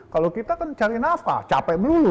kalau kita kan cari nafas capek melulu